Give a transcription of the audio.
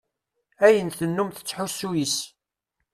Ayen tennum tettḥusu yes-s.